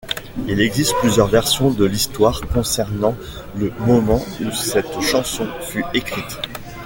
Il existe plusieurs versions de l'histoire concernant le moment où cette chanson fut écrite.